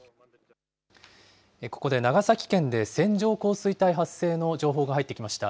ここで、長崎県で線状降水帯発生の情報が入ってきました。